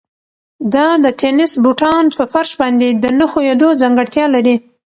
دا د تېنس بوټان په فرش باندې د نه ښویېدو ځانګړتیا لري.